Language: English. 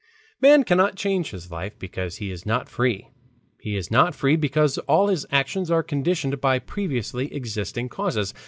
"Man cannot change his life, because he is not free. He is not free, because all his actions are conditioned by previously existing causes.